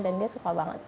dan dia suka banget